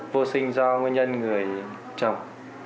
vô sinh do nguyên nhân người chồng